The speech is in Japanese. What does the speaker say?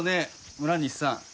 村西さん。